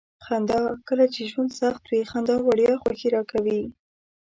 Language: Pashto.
خندا: کله چې ژوند سخت وي. خندا وړیا خوښي راکوي.